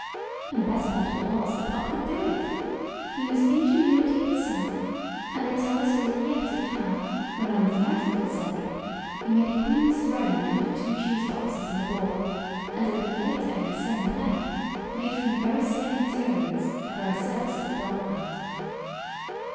And the best part of it was that Pop could do it. He was ingenuity itself, and they tell the story yet of how, when on the theatrical circuit, he made a queen's throne out of two cheese boxes and a board, and a little later in the same play, made from the same materials a very serviceable dog cart.